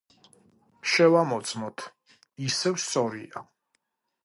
შევამოწმოთ. ისევ სწორია.